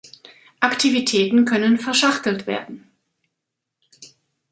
Aktivitäten können verschachtelt werden.